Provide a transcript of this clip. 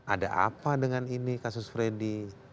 ada apa dengan ini kasus freddy